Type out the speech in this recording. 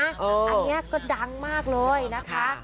อันนี้ก็ดังมากเลยนะคะ